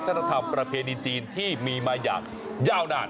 ธรรมประเพณีจีนที่มีมาอย่างยาวนาน